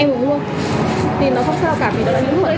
em uống luôn thì nó không sao cả vì đã có hiện tượng